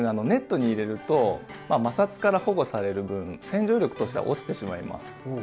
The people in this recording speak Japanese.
ネットに入れると摩擦から保護される分洗浄力としては落ちてしまいます。